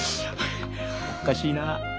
おかしいな。